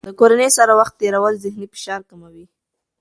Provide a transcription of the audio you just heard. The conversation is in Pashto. د کورنۍ سره د وخت تېرول د ذهني فشار کموي.